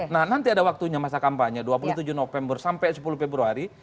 nah nanti ada waktunya masa kampanye dua puluh tujuh november sampai sepuluh februari